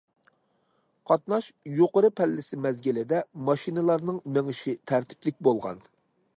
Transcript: قاتناش يۇقىرى پەللىسى مەزگىلىدە، ماشىنىلارنىڭ مېڭىشى تەرتىپلىك بولغان.